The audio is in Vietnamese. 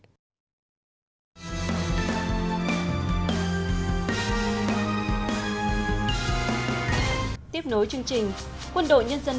tiếp nối chương trình